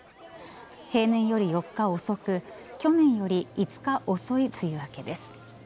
平年より４日遅く去年より５日遅い梅雨明けです。